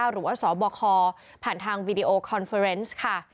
หรือว่าสบคผ่านทางวีดีโอคอนเฟอร์เนสค่ะ